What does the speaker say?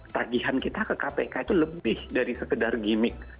tagihan kita ke kpk itu lebih dari sekedar gimmick